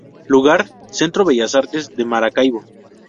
Lugar: Centro Bellas Artes de Maracaibo.